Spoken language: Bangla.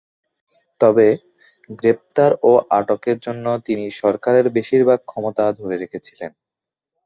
তবে, গ্রেপ্তার ও আটকের জন্য তিনি সরকারের বেশিরভাগ ক্ষমতা ধরে রেখেছিলেন।